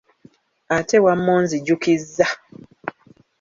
Ate wamma onzijjukizza!